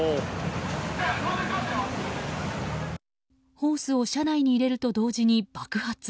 ホースを車内に入れると同時に爆発。